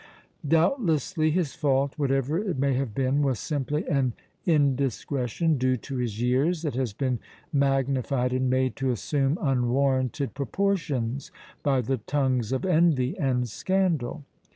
"Doubtlessly his fault, whatever it may have been, was simply an indiscretion due to his years that has been magnified and made to assume unwarranted proportions by the tongues of envy and scandal.